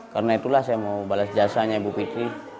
karena itulah saya mau balas jasanya bu fitri